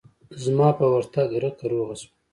زما په ورتگ رکه روغه سوه.